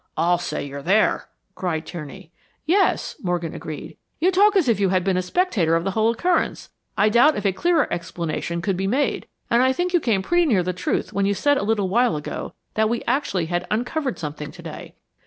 "I'll say you're there!" cried Tierney. "Yes," Morgan agreed. "You talk as if you had been a spectator of the whole occurrence. I doubt if a clearer explanation could be made, and I think you came pretty near the truth when you said a little while ago that we actually had uncovered something today.